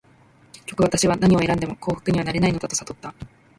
結局、私は何を選んでも幸福にはなれないのだと悟った。